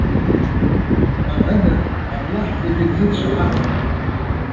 Ҳәарада, Аллаҳ зегьы рзы дшаҳаҭуп.